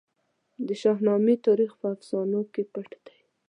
د شاهنامې تاریخ په افسانو کې پټ دی.